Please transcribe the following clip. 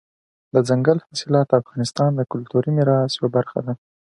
دځنګل حاصلات د افغانستان د کلتوري میراث یوه برخه ده.